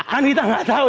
kan kita gak tau